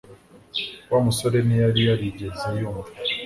Wa musore ntiyari yarigeze yumva